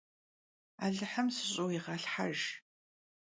Alıhım sış'ıuiğelhhejj!